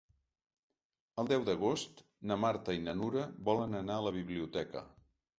El deu d'agost na Marta i na Nura volen anar a la biblioteca.